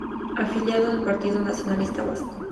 Afiliado del Partido Nacionalista Vasco.